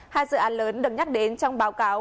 hai dự án lớn được nhắc đến trong báo cáo